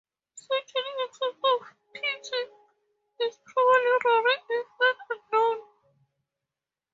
Such an excess of piety is probably rare, if not unknown.